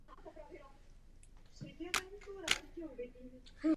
Ukázalo se, že pokud Evropa nepostupuje společně, ztrácí vliv.